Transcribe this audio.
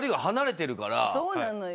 そうなのよ。